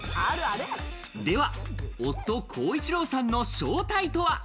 では夫・康一郎さんの正体とは？